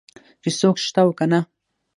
چې څوک شته او که نه.